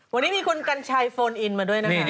วันนี้มีคุณกัญชัยโฟนอินมาด้วยนะครับ